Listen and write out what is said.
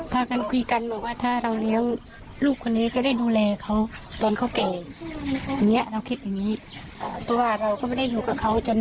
พากันคุยกันบอกว่าถ้าเราเลี้ยงลูกคนนี้จะได้ดูแลเขาตอนเขาเก่ง